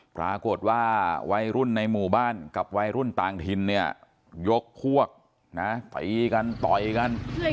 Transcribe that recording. ปรากฏว่าวัยรุ่นในหมู่บ้านกับวัยรุ่นต่างถิ่นเนี่ยยกพวกนะตีกันต่อยกัน